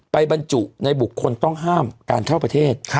ไปในบุคคลต้องห้ามการเท่าประเทศครับ